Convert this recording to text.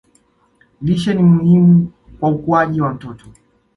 Lishe ni muhimu kwa ukuaji wa mtoto